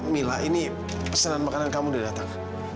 mila ini pesanan makanan kamu udah datang